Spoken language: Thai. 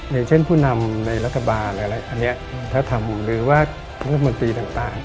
ในเช่นผู้นำในรัฐบาลอะไรอะไรอันนี้ถ้าทำบุญหรือว่ามันตีต่าง